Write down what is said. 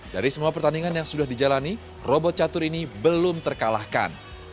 dari semua pertandingan yang sudah dijalani robot catur ini belum terkalahkan